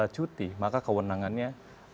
cuti maka kewenangannya